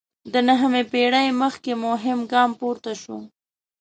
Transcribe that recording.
د نهمې پېړۍ مخکې مهم ګام پورته شو.